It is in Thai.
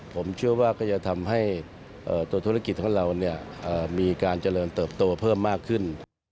ผมเชื่อว่าก็จะทำให้ตัวธุรกิจของเรามีการเจริญเติบโตเพิ่มมากขึ้น